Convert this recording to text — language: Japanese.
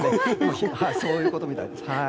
そういうことみたいです。